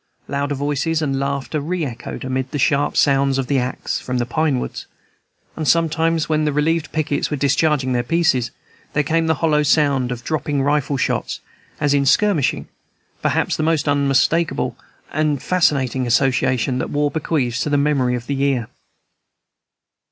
Louder voices and laughter re echoed, amid the sharp sounds of the axe, from the pine woods; and sometimes, when the relieved pickets were discharging their pieces, there came the hollow sound of dropping rifle shots, as in skirmishing, perhaps the most unmistakable and fascinating association that war bequeaths to the memory of the ear.